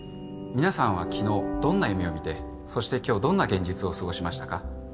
皆さんは昨日どんな夢を見てそして今日どんな現実を過ごしましたか？